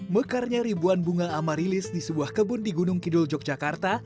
mekarnya ribuan bunga amarilis di sebuah kebun di gunung kidul yogyakarta